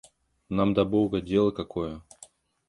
Нам до бога дело какое?